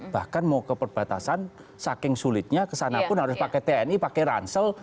bahkan mau ke perbatasan saking sulitnya kesana pun harus pakai tni pakai ransel